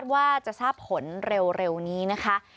ว่าจะทราบผลเร็วนี้นะคะ